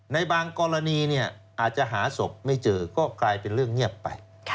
ในบางกรณีอาจจะหาศพไม่เจอก็กลายเป็นเรื่องเงียบไป